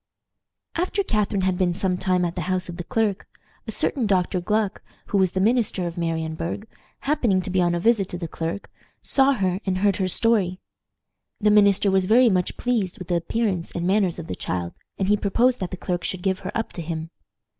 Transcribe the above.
After Catharine had been some time at the house of the clerk, a certain Dr. Gluck, who was the minister of Marienburg, happening to be on a visit to the clerk, saw her and heard her story. The minister was very much pleased with the appearance and manners of the child, and he proposed that the clerk should give her up to him.